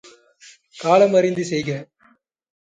காலம் அறிந்து செய்க!